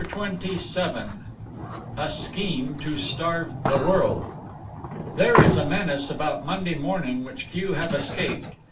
CHAPTER XXVII A SCHEME TO STARVE THE WORLD There is a menace about Monday morning which few have escaped.